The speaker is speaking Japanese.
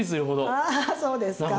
ああそうですか。